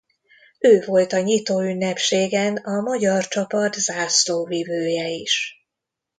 Ő volt a nyitóünnepségen a magyar csapat zászlóvivője is.